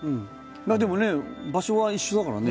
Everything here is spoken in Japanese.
でもね場所は一緒だからね。